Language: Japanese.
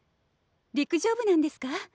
陸上部なんですか？